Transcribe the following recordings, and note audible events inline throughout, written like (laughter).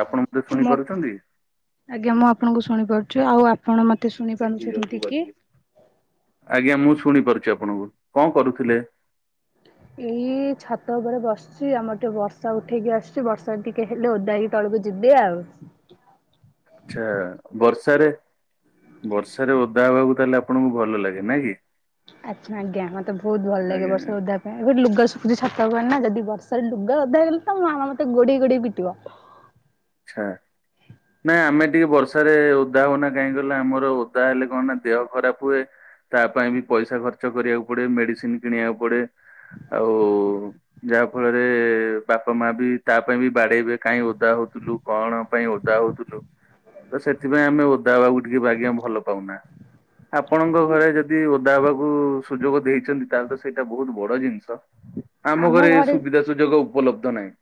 ଆପଣ ମତେ ଶୁଣି ପାରୁଛନ୍ତି? ଆଜ୍ଞା, ମୁଁ ଆପଣଙ୍କୁ ଶୁଣିପାରୁଛି, ଆଉ ଆପଣ ମତେ ଶୁଣି ପାରୁଛନ୍ତି କି? ଆଜ୍ଞା, ମୁଁ ଶୁଣି ପାରୁଛି ଆପଣଙ୍କୁ, କଣ କରୁଥିଲେ? ହ (inaudible) ଏଇ ଛାତ ଉପରେ ବସୁଛି, ଆମର ଟିକେ ବର୍ଷା ଉଠେଇକି ଆସୁଛି, ବର୍ଷା ଟିକେ ହେଲେ ଓଦା ହେକି ତଳକୁ ଯିବ। ଦେ ଆଉ ଆଛା, ବର୍ଷାରେ ବର୍ଷାରେ ଓଦା ହେବାକୁ ତାହେଲେ ଆପଣଙ୍କୁ ଭଲ ଲାଗେ, ନାଇ କି? ଆଚ୍ଛା, ଆଜ୍ଞା, ମତେ ବହୁତ ଭଲ ଲାଗେ ଆଜ୍ଞା ବର୍ଷା ଓଦାହେବା ପାଇଁ, ଏଟ ଲୁଗା ଶୁ ଛାତତା ହ ନା ଯଦି ବର୍ଷା (unintelligible) ଲୁଗା ଓଦା ହେଇଗଲେ ତ, ମାମା ମତେ ଗୋଡେଇ ଗୋଡେଇ ପିଟିବ। ଛା। ନାଇଁ ଆମେ ଟିକେ ବର୍ଷାରେ ଓଦା ହଉନା କାହିଁ କହିଲଲେ ଆମର ଓଦା ହେଲେ କଣ ନା ଦେହ ଖରାପ ହୁଏ। ତା ପାଇଁ ବି ପଇସା ଖର୍ଚ୍ଚ କରିବାକୁ ପଡେ ମେଡିସିନ କିଣିବାକୁ ପଡେ। ଆଉ ଯାହା ଫଳରେ ବାପା ମା ବି ତା ପାଇଁ ବି ବାଡେଇବେ କାହିଁ ଓଦା ହଉଥିଲୁ। କଣ ପାଇଁ ଓଦା ହଉଥିଲୁ ତ ସେଥିପାଇଁ ଆମେ ଓଦା ବାକୁ ଟିକେ ବାଗିବା ଭଲ ପାଉନା। ଆପଣଙ୍କ ଘରେ ଯଦି ଓଦା ହବାକୁ ସୁଯୋଗ ଦେଇଛନ୍ତି ତାହେଲେ ତ ସେଇଟା ବହୁତ ବଡ ଜିନିଷ। ଆମ ଘରେ ସୁବିଧା ସୁଯୋଗ ଉପଲବ୍ଧ ନାହିଁ।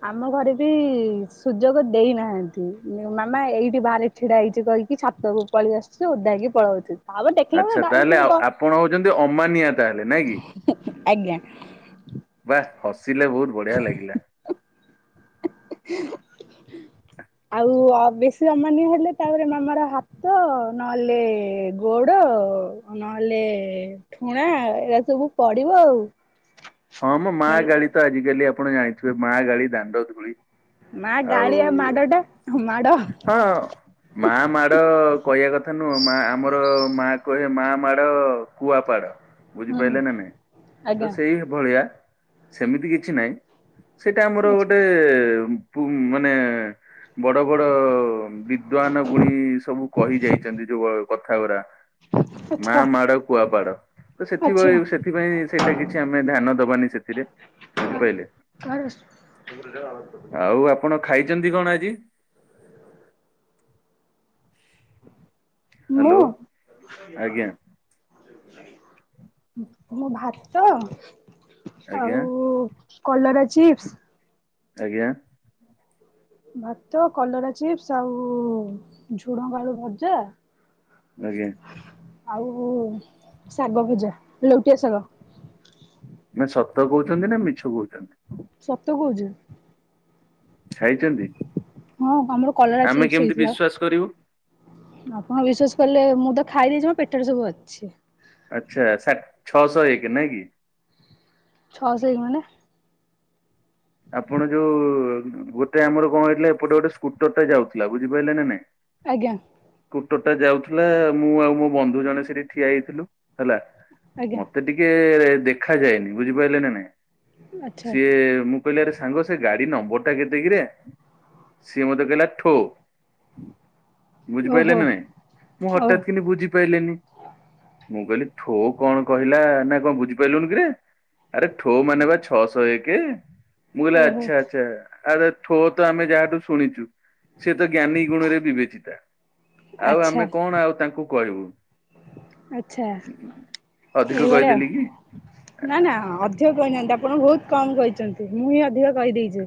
ହ ଆମ ଘରେ ବି ସୁଯୋଗ ଦେଇନାହାନ୍ତି ମାମା ଏଇଠି ବାହାରେ ଛିଡା ହେଇଛି କହିକି। ଛାତକୁ ପଳେଇ ଆସୁଛି ଓଧା ହେକି ପଳଉଛୁ। ଆଚ୍ଛା ତାହେଲେ ଆ ଆପଣ ହଉଛନ୍ତି ଅମାନିଆ ତାହେଲେ ନାଇଁ କିି। ଆଜ୍ଞା ବା ହସିଲେ ବହୁତ ବଢିଆ ଲାଗିଲା। ଆଉ ବେଶୀ ଅମାନୀୟ ହେଲେ ତାପରେ ମାମାର ହାତ ନହେଲେ ଗୋଡ। ନହେଲେ ଠୁଣା ଏଟା ସବୁ ପଡିବ ଆଉ। ହଁ ମୋ ମା ନହେଲେ ଗାଳି ତ ଆଜିକାଲି ଆପଣ ଜାଣିଥିବେ ମା ଗାଳି ଦାଣ୍ଡ ଧୂଳି। ମା ଆଉ ଗାଳିଆଉ ମାଡ ଟା। ହଁ ମା ମାଡ କହିବା କଥା ନୁହଁ ମା ଆମର। ମା କହେ ମା ମାଡ କୁଆପାଡ ହୁଁ ବୁଝିପାରିଲେ ନା ନାଇଁ ଆଜ୍ଞା ତ ସେଇ ସେଇଆ ସେମିତି କିଛି ନହିଁ ସେଇଟା ଆମର ଆଚ୍ଛା ଗୋଟେ। ମାନେ ବଡ ବଡ। ବିଦ୍ଵନ ଗୁଣି ସବୁ କହି ଯାଇଛନ୍ତି ଯୋଉ କଥା ଗୁରା। ମା ଆଚ୍ଛା ମାଡ କୁଆପାଡ ତ ଆଚ୍ଛା ସେଥିପାଇ ସେଥିପାଇଁ ସେଇଟା କିଛି ଆମ। ଆମେ ଧ୍ୟାନ ଦବାନି ସେଥିରେ ବୁଝିପାଇ ଲେ। କାର ଆଉ ଆପଣ ଖାଇଛନ୍ତି କଣ ଆଜି। ମୁଁ। ହ୍ୟାଲୋ ଆଜ୍ଞା ମୁଁ ଭାତ ଆଜ୍ଞା ଆଉ କଲରା ଚିପ୍ସ। ଆଜ୍ଞା। ଭାତ କଲରା ଚିପ୍ସ ଆଉ ଝୁଣଙ୍ଗ ଆଳୁ ଭଜା। ଆଜ୍ଞା। ଆଉ ଶାଗ ଭଜା। ଲୋଉଟିିଆ ଶାଗ। ନା ସତ କହୁଛନ୍ତି ନା ମିଛ କହୁଛନ୍ତି। ସତ କହୁଛି। ଖାଇଛନ୍ତି? ହଁ ଆମର କଲରା ଆମେ ଚିପସ କେମିତି ହେଇଥିଲା। ବିଶ୍ଵାସ କରିବୁ ଆପଣ ବିଶ୍ଵାସ କଲେ ମୁଁ ତ ଖାଇ ଦେଇଛି ମୋ ପେଟରେ ସବୁ ଅଛି। ଆଚ୍ଛା ସାଠ ଛଅ ସହ ଏକ ନାଇଁ କି। ଛଅଶହ ଏକ ମାନେ। ଆପଣ ଯୋଉ ଗୋଟେ ଆମର କଣ ହେଇଥିଲା ଏପଟେ ଗୋଟେ ସ୍କୁଟର ଟା ଯାଉଥିଲା ବୁଝିପାରିଲେ ନା ନାଇଁ। ଆଜ୍ଞା। ସୁକଟର ଯାଉଥିଲା ମୁଁ ଆଉ ମୋ ବନ୍ଧୁ ଜଣେ ସେଠି ଠିଆ ହେଇଥିଲୁ ହେଲା। ଆଜ୍ଞା ମତେ ଟିକେ ଦେଖାଯାଏନି ବୁଝିପାରିଲେ ନା ନାଇଁ ଆଚ୍ଛା ସିଏ ମୁଁ। କହିଲରେ ସାଙ୍ଗ ସେ ଗାଡି ନମ୍ବର ଟା କେତେକିରେ। ସିଏ ମତେ କହିଲା ଠୋ। ବୁଝିପାରିଲ ଓହୋ ନା ନାହିଁ ମୁଁ ଓ ହଠାତ୍ କିନ୍ତୁ ବୁଝିପାରିଲନି ମୁଁ କହିଲି। ଠୋ କଣ କହିଲା ନା କଣ ବୁଝିପାରିଲୁନି କିରେ ଆରେ ଠୋ ମାନେ ବା ଛଅଶହ ଏକ। ମୁଁ କହିଲି ଓହୋ ଆଚ୍ଛା ଆଚ୍ଛା। ଆ ଠୋ ତ ଆମେ ଯାହାଠୁ ଶୁଣିଛୁ ସେ ତ ଜ୍ଞାନୀ ଗୁଣ ରେ ବିବେଚିତା। ଆଉ ଆଚ୍ଛା ଆମେ କଣ ଆଉ ତାଙ୍କୁ କହିବୁ। ଆଚ୍ଛା ଅଧିକ ଏଇଭଳିଆ କହିଦେଲି କି ନା ନା କିଛି ଅଧିକ କହିନାହାନ୍ତି ଆପଣ ବହୁତ କମ କହିଛନ୍ତି ମୁଁ ହିଁ ଅଧିକ କହିଦେଇଛି।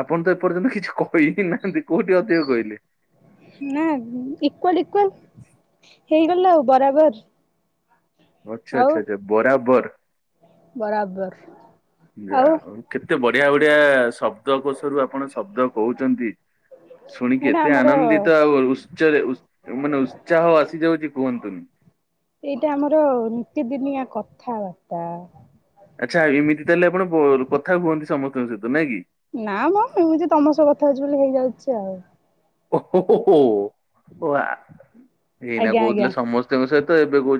ଆପଣ ତ ଏପର୍ଯ୍ୟନ୍ତ କିଛି କହି ହି ନାହାନ୍ତି କୋଉଠି ଅଧିକ କହିଲେ। ନା ଇକ୍ୱାଲ ଇକ୍ୱାଲ ହେଇଗଲା ଆଉ ବରାବର। ଆଚ୍ଛା ଆଉ ଆଚ୍ଛା ଆଚ୍ଛା ବରାବର। ବରାବର ଯାହା ଆଉ ହଉ କେତେ ବଢିଆ ବଢିଆ ଶବ୍ଦ କୋଷରୁ ଆପଣ ଶବ୍ଦ କହୁଛନ୍ତି। ଶୁଣିକି ଏଇଟା ଏତେ ଆମର ଆନନ୍ଦିତ ଆଉ ଉତ୍ସରେ ମାନେ ଉତ୍ସାହ ଆସିଯାଉଛି କୁହନ୍ତୁନି। ଏଇଟା ଆମର ନିତ ଦିନିଆ ଠାର। ଆଚ୍ଛା ଏମିତି ତାହେଲେ ଆପଣ ବ କଥା ହୁଅନ୍ତି ସମସ୍ତଙ୍କ ସହିତ ନାଇଁ କି। ନା ମ ମୁଁ ତମ ସହ କଥା ହଉଛି ବୋଲି ହେଇଯାଉଛି ଆଉ। ଓହୋ ଓ ଏଇନା କହୁଥିଲେ ସମସ୍ତଙ୍କ ସହିତ ଏବେ କହୁ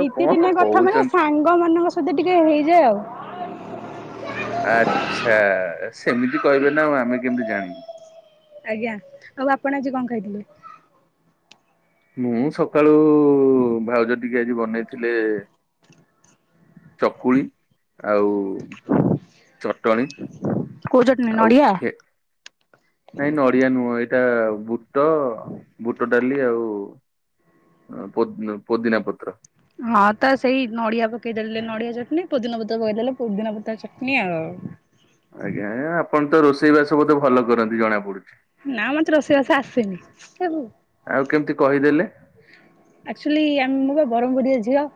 ନିତି ଦିନିଆ କଥା ମାନେ ସାଙ୍ଗ ମାନଙ୍କ ସହ ଟିକେ ହେଇଯାଏ ଆଉ। ଆଛା ସେମିତି କହିବେ ନା ଆଉ ଆମେ କେମିତି ଜାଣିବୁ? ଆଜ୍ଞା ଆଉ ଆପଣ ଆଜି କଣ ଖାଇଥିଲେ? ମୁଁ ସକାଳୁ ଭାଉଜ ଟିକେ ଆଜି ବନେଇଥିଲେ ଚକୁଳି ଆଉ ଚଟଣୀ। କୋଉ ଚଟଣୀ ନଡିଆ? ନାଇଁ ନଡିଆ ନୁହଁ ଏଇଟା ବୁଟ ବୁଟ ଡାଲି ଆଉ ପୋ ପୋଦିନା ପତ୍ର। ହଁ ତ ସେଇ ନଡିଆ ପକେଇଦଲେ ନଡିଆ ଚଟନୀ ପୋଦିିନ ପତ୍ର ପକେଇଦେଲେ ପୋଦିିନ ପତ୍ର ଚଟଣି ଆଉ। ଆଜ୍ଞା ଆଜ୍ଞା ଆପଣ ତ ରୋଷେଇ ବାସ ବୋତେ ଭଲ କରନ୍ତି ଜଣା ପଡୁଛି। ନା ମତେ ରୋଷେଇବାସ ଆସେନି ଆଉ କେମିତି କହିଦେଲେ (unintelligible) ଆକ୍ଚୁଆଲି ଆ ମୁଁ ବା ବ୍ରହ୍ମପୁରିଆ ଝିଅ।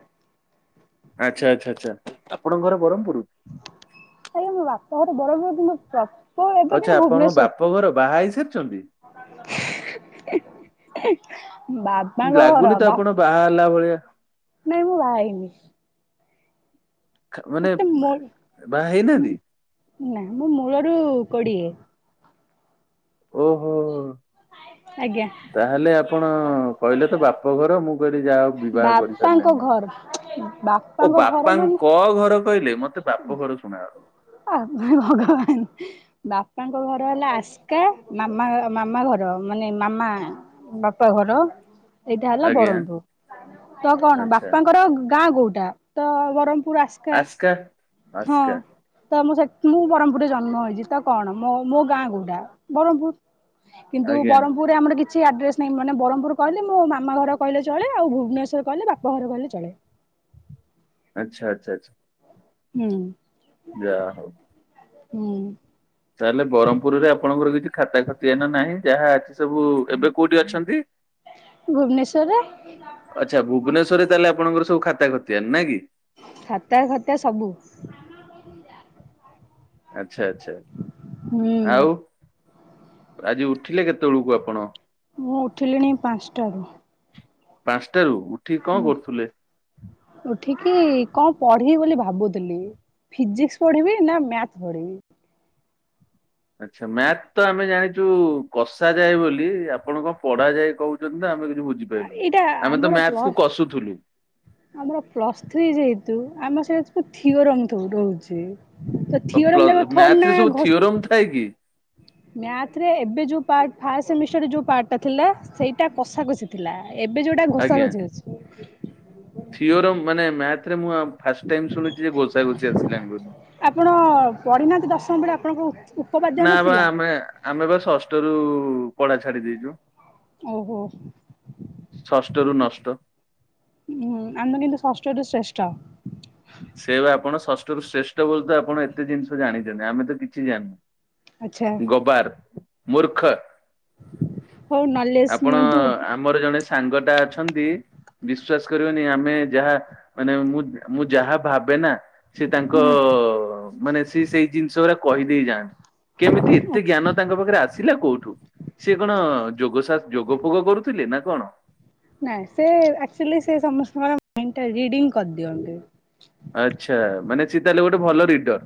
ଆଚ୍ଛା ଆଚ୍ଛା ଆଚ୍ଛା ଆପଣଙ୍କ ଘର ବ୍ରହ୍ମପୁର। ଆରେ ଆମ ବାପା ଘର ବଡ (unintelligible) ଆଛା ଆପଣଙ୍କ ବାପ ଘର ବାହା ହେଇ ସାରିଛନ୍ତି? ହେଁ ହେଁ ବାପାଙ୍କ ଘର ଲାଗୁନି ତ ବାପ ଆପଣ ବାହା ହେଲା ଭଳିଆ ନାଇଁ ମୁଁ ବାହା ହେଇନି। ମାନେ ମତେ ବାହା ହେଇନାହାନ୍ତି। ନାଇ ମୁଁ ମୂଳରୁ କୋଡିଏ। ଓହୋ ଆଜ୍ଞା। ତାହେଲେ ଆପଣ କହିଲେ ତ ବାପ ଘର ମୁଁ କହିଲି ଯାହା ହଉ ବିବାହ କରିସାରିଲେ ବାପାଙ୍କ ନାହି ଘର ଓ ବାପାଙ୍କ ଘର ମାନେ ବାପାଙ୍କ ଘରକୁ କହିଲେ ମତେ ବାପ ଘର ଶୁଣା ଗଲା। ଅ ଭଗବାନ ବାପାଙ୍କ ଘର ହେଲା ଆସ୍କା ମାମା ମାମା ଘର ମାନେ ମାମା ବାପା ଘର ଏଇଟା ହେଲା ଆଜ୍ଞା ବ୍ରହ୍ମପୁର ତ କଣ ଆଚ୍ଛା। ବାପାଙ୍କର ଗାଁ କୋଉଟା ତ ବ୍ରହ୍ମପୁର। ପୁର ଆସ୍କା ହଁ ଆସ୍କା ତ ମୁଁ ମୁଁ ବ୍ରହ୍ମପୁରରେ ଜନ୍ମ ହେଇଛି ତ କଣ ମୋ ମୋ ଗାଁ କୋଉଟା ବ୍ରହ୍ମପୁର। କିନ୍ତୁ ଆଜ୍ଞା ବ୍ରହ୍ମପୁରରେ ଆମର କିଛି କିଛି ଆଡ୍ରେସ୍ ନାହିଁ ମାନେ ବ୍ରହ୍ମପୁର କହିଲେ ମୋ ମାମା ଘର କହିଲେ ଚଳେ ଆଉ ଭୁବନେଶ୍ୱର କହିଲେ ବାପା ଘର କହିଲେ ଚଳେ। ଆଛା ଆଚ୍ଛା ଆଛା। ହୁଁ ହୁଁ। ତାହେଲେ ବ୍ରହମପୁରରେ ଆପଣଙ୍କର କିଛି ଖାତା ଖତି ଆନ ନାହିଁ ଯାହା ଅଛି ସବୁ ଏବେ କୋଉଠି ଅଛନ୍ତି? ଭୁବନେଶ୍ୱରରେ ଆଚ୍ଛା ଭୁବନେଶ୍ଵରରେ ତାହେଲେ ଆପଣଙ୍କର ସବୁ ଖାତା ଖତିଆନ ନାଇଁ କି? ଖାତା ଖତା ସବୁ। ଆଚ୍ଛା ଆଚ୍ଛା ହୁଁ ଆଉ ଆଜି ଉଠିଲେ କେତେବେଳକୁ ଆପଣ? ମୁଁ ଉଠିଲିଣି ପାଞ୍ଚଟାରୁ ପାଞ୍ଚଟାରୁ ଉଠି କଣ କରୁଥିଲେ? ଉଠିକ କଣ ପଢିବି ବୋଲି ଭାବୁଥିଲି? ଫିଜିକ୍ସ୍ ପଢିବି ନା ମ୍ୟାଥ୍ ପଢିବି? ଆଚ୍ଛା ମ୍ୟାଥ ତ ଆମେ ଜାଣିଚୁ କଷାଯାଏ ବୋଲି ଆପଣ କଣ ପଢାଯାଏ କୋହୁଚନ୍ତି ନା ଆମେ କି ଆରେ ଏଇଟା ଆମର କଷୁଥିଲୁ ପ୍ଲସ୍-ଆମର ପ୍ଲସ୍ ଥ୍ରୀ ଯେହେ ତୁ ଆମ ସେଇଡା ସବୁ ଥିଓରି ରାଙ୍କ ରହୁଛି। ତ ଆଉ ଥିଓରି ପ୍ଲ ଆମେ ତାକୁ ମ୍ୟାଥ୍ ଥୋଡିନା ରେ ସବୁ ଘୋଷ୍ ଥିଓରମ୍ ଥାଏ କି? ମ୍ୟାଥରେ ଏବେ ଯୋଉ ପାଟ୍-ଫାଷ୍ଟ ସେମିଷ୍ଟାରରେ ଯୋଉ ପାର୍ଟଟା ଥିଲା ସେଇଟା କଷାକଷି ଥିଲା। ଏବେ ଯୋଉଟା ଆଜ୍ଞା ଘୋଷାଘୋଷି ଅଛି। ଥିଓରିର ମାନେ ମ୍ୟାଥରେ ମୁଁ ଆ ଫାଷ୍ଟ୍ ଟାଇମ୍ ଶୁଣୁଚି ଯେ ଘୋଷାଘୋଷି ଆସିଲାଣି ବୋଲି। ଆପଣ ପଢିନାହାନ୍ତି ଦଶମ ବେଳେ ଆପଣଙ୍କ ଉପପାଦ୍ୟ ନାପା ନଥିଲା? ଆମେ-ଆମେ ପା ଷଷ୍ଠରୁ ପଢା ଛାଡିଦେଇଚୁ। ଓହୋ ଷଷ୍ଠରୁ ନଷ୍ଟ। ଉ-ଉଁ ଆମେ କିନ୍ତୁ ଷଷ୍ ଷ୍ଟରୁ ଶ୍ରେଷ୍ଠ। ସେଇ ପା ଆପଣ ଷଷ୍ଠରୁ ଶ୍ରେଷ୍ଠ ବୋଲି ତ ଆପଣ ଏତେ ଜିନଷ ଜାଣିଚନ୍ତି ଆମେ ତ କିଛି ଆଚ୍ଛା। ଜାଣିନୁ। ଗବାର୍ ମୂର୍ଖ। ହଉ ନଲେଜ ଆପଣ ନିଅନ୍ତୁ ଆମର ଜଣେ ସାଙ୍ଗଟା ଅଛନ୍ତି ବିଶ୍ଵାସ କରିବନି ଆମେ ଯାହା ମାନେ ମୁଁ-ମୁଁ ଯାହା ଭାବେନା ସେ ତାଙ୍କ ହୁଁ ମାନେ ସିଏ ସେଇ ଜିନଷରା କହିଦେଇ ଯାଆନ୍ କେମିତି ଏତେ ଆଚ୍ଛା। ଜ୍ଞାନ ତାଙ୍କ ପାଖରେ ଆସିଲା କୋଉଠୁ? ସିଏ କଣ ସାର୍ ଯୋଗ ଫୋଗ କରୁଥୁଲେ ନା କଣ? ନାଇଁ ସେ ଆକଚୋଲି ସେ ସମସ୍ତଙ୍କର ମାଇଣ୍ଡଟା ରିଡ଼ିଙ୍ଗ୍ କରଦିଅନ୍ତି। ଆଚ୍ଛା ମାନେ ସେ ତାହେଲେ ଗୋଟେ ଭଲ ରିଡର?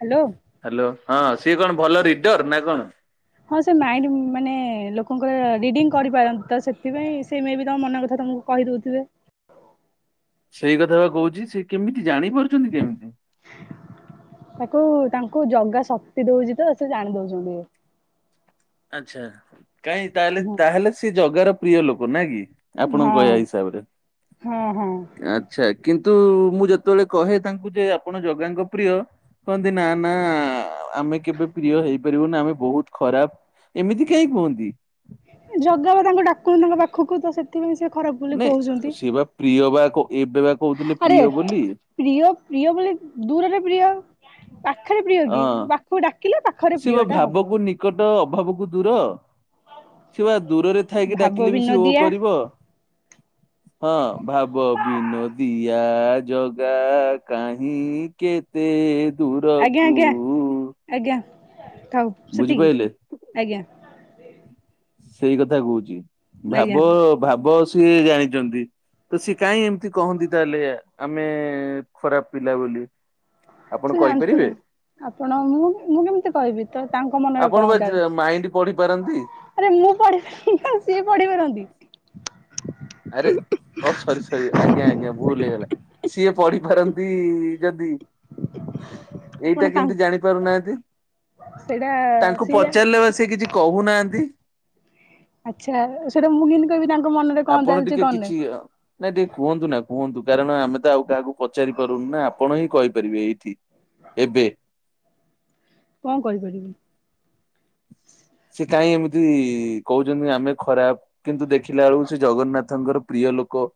ହାଲୋ? ହ୍ୟାଲୋ ହଁ ସିଏ କଣ ଭଲ ରିଡର ନା କଣ? ହଁ ସେ ମାଇଣ୍ଡ ମାନେ ଲୋକଙ୍କର ରିଡିଙ୍ଗ୍ କରିପାରନ୍ ତ ସେଥିପାଇଁ ସେ ମେ ବି ତମ ମନ କଥା ତମକୁ କହିଦୋଉଥୁବେ। ସେଇ କଥା ପା କୋହୁଚି ସେ କେମିତି ଜାଣିପାରୁଚନ୍ତି କେମିତି? ତାକୁ ତାଙ୍କୁ ଜଗା ଶକ୍ତି ଦଉଛି ତ, ସେ ଜାଣି ଦଉଛନ୍ତି। ଆଚ୍ଛା! କାଇଁ ତାହେଲେ ହଁ ତାହେଲେ ସେ ଜଗାର ପ୍ରିୟ ଲୋକ ନା କି? ଆପଣଙ୍କ କହିବା ହିସାବରେ। ହଁ ହଁ। ଆଚ୍ଛା! କିନ୍ ତୁ ମୁଁ ଯେତେବେଳେ କହେ ତାଙ୍କୁ ଯେ ଆପଣ ଜଗାଙ୍କ ପ୍ରିୟ କହନ୍ତି ନା ନା ଆ ଆମେ କେବେ ପ୍ରିୟ ହେଇପାରିବୁନି, ଆମେ ବହୁତ ଖରାପ। ଏମିତି କାହିଁ କୁହନ୍ତି ଜଗା ବା ତାଙ୍କୁ ଡାକୁନି ତାଙ୍କ ପାଖକୁ ତ ସେଥିପାଇଁ ସେ ଖରାପ ବୋଲି କହୁଛନ୍ତି। ନାଇଁ ସେ ବା ପ୍ରିୟ ବା ଏବେ ବା କହୁଥିଲେ ଆରେ ପ୍ରିୟ ବୋଲି। ପ୍ରିୟ ପ୍ରିୟ ବୋଲି ଦୂରରେ ପ୍ରିୟ ପାଖରେ ପ୍ରିୟ କି? ହଁ ପାଖକୁ ଡାକିଲେ ପାଖ ସେ ବା ଭାବକୁ ନିକଟ ଅଭାବକୁ ଦୂର। ସେ ବା ଦୂରରେ ଥାଇକି ଭାବ ଡାକିଲେ ବି ସେ ଓ ବିନୋଦିଆ କରିବ। ହଁ, ଭାବ ବିନୋଦିଆ ଜଗା କାହିଁ କେତେ ଆଜ୍ଞା! ଦୂରକୁ ଆଜ୍ଞା! ଆଜ୍ଞା! ଥାଉ ସେତିକି, ବୁଝିପାଇଲେ? ଆଜ୍ଞା! ସେଇ କଥା କହୁଛି ଆଜ୍ଞା ଭାବ ଭାବ ସିଏ ଜାଣିଚନ୍ତି। ତ ସିଏ କାହିଁ ଏମିତି କହନ୍ତି ତାହେଲେ ଆମେ ଖରାପ ପିଲା ବୋଲି। ସେ ଆପଣ ଜାଣିଥିବ। କହିପାରିବେ? ଆପଣ ମୁଁ ମୁଁ କେମିତି କହିବି ତ ତାଙ୍କ ମନରେ ଆପଣ କଣ ବା ଜ ମାଇଣ୍ଡ ପଢି ଚାଲଛି? ପାରନ୍ତି ଆରେ ମୁଁ ପଢି ପାରେ (inaudible) ସିଏ ପଢି ପାରନ୍ତି। ଆରେ ଓ ସରି ସରି ଆଜ୍ଞା! ଆଜ୍ଞା! ଭୁଲ ହେଇଗଲା। ସିଏ ପଢିପାରନ୍ତି ଯଦି ଆପଣ ଏଇଟା କେମତି ତାଙ୍କ ଜାଣି ପାରୁନାହାନ୍ତି? ସେଇଟା ତାଙ୍କୁ ସିଏ ପଚାରିଲେ ବା ସେ କିଛି କହୁନାହାନ୍ତି। ଆଚ୍ଛା ସେଟା ମୁଁ କେମିତି କହିବି ତାଙ୍କ ମନରେ କଣ ଆପଣ ଚାଲିଛି ଟିକେ କଣ ନାହିଁ କିଛି ନାଇଁ ଟିକେ କୁହନ୍ତୁ ନା କୁହନ୍ତୁ କାରଣ ଆମେ ତ ଆଉ କାହାକୁ ପଚାରି ପାରୁନି ନା ଆପଣ ହିଁ କହିପାରିବେ ଏଇଠି ଏବେ। କଣ କରିପାରିବି? ସେ କାହିଁ ଏମିତି କହୁଛନ୍ତି ଆମେ ଖରାପ କିନ୍ତୁ ଦେଖିଲା ବେଳକୁ ସେ ଜଗନ୍ନାଥଙ୍କର ପ୍ରିୟ ଲୋକ।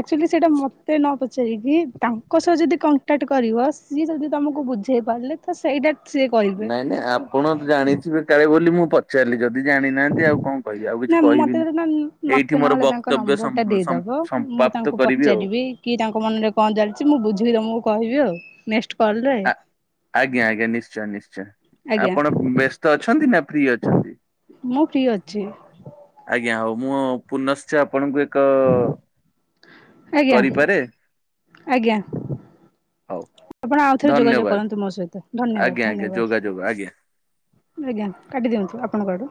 ଆକଚୁଲି ସେଇଟା ମତେ ନ ପଚାରିକି ତାଙ୍କ ସହ ଯଦି କଣ ଟାଟ କରିବ ସିଏ ଯଦି ତମକୁ ବୁଝେଇ ପାରିଲେ ତ ସେଇଟା ସିଏ କହିବେ। ନାଇଁ ନାଇଁ ଆପଣ ତ ଜାଣିଥିବେ କାଳେ ବୋଲି ମୁଁ ପଚାରିଲି, ଯଦି ଯଦି ଜାଣିନାହାନ୍ତି ଆଉ କଣ କହିବି ଆଉ ନା କିଛି ମତେ କହିବିନି, ମତେ ଏଇଠି ମୋର ନହେଲେ ତାଙ୍କ ବକ୍ତବ୍ୟ ନମ୍ବର ଟା ସମ୍-ସମ୍ ଦେଇଦବ ମୁଁ ତାଙ୍କୁ ପଚାରିବି କି ତାଙ୍କ ମନରେ କଣ ଚାଲିଛି ମୁଁ ବୁଝିକି ତମକୁ କହିବି ଆଉ, ନେସ ଆ-ଆଜ୍ଞା! ଆଜ୍ଞା! ନିଶ୍ଚୟ ନିଶ୍ଚୟ ଆଜ୍ଞା ଆପଣ ବ୍ୟସ୍ତ ଅଛନ୍ତି ନା ଫ୍ରି ଅଛନ୍ତି ମୁଁ ଫ୍ରି ଅଛି। ଆଜ୍ଞା! ହଉ ମୁଁ ପୁନଶ୍ଚ ଆପଣଙ୍କୁ ଏ ଆଜ୍ଞା କରିପାରେ ଆଜ୍ଞା। ହଉ ଆପଣ ଆଉଥରେ ଯୋଗାଯୋଗ ଧନ୍ୟବାଦ। କରନ୍ତୁ ମୋ ସହିତ ଧନ୍ୟବାଦ ଆଜ୍ଞା ଆଜ୍ଞା ଯୋଗାଯୋଗ ଆଜ୍ଞା। ଧନ୍ୟବାଦ। ଆଜ୍ଞା କାଟି ଦିଅନ୍ତୁ ଆପଣଙ୍କ ଆଡୁ।